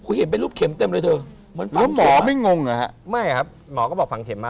คุณเห็นเป็นรูปเข็มเต้มเลยนะเถอะ